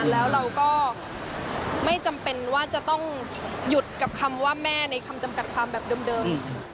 แล้วเราก็ไม่จำเป็นว่าจะต้องหยุดกับคำว่าแม่ในคำจำกัดความแบบเดิม